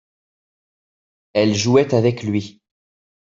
ellel jouait avec lui.